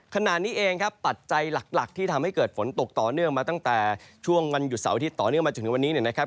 ขณะนี้เองครับปัจจัยหลักที่ทำให้เกิดฝนตกต่อเนื่องมาตั้งแต่ช่วงวันหยุดเสาร์อาทิตย์ต่อเนื่องมาจนถึงวันนี้เนี่ยนะครับ